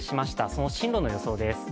その進路の予想です。